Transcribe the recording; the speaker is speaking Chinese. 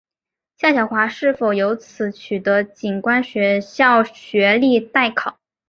夏晓华是否由此取得警官学校学历待考。